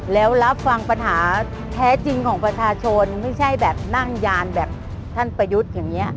แล้วรับฟังปัญหาแท้จริงของประชาชนไม่ใช่แบบนั่งยานแบบท่านประยุทธ์อย่างนี้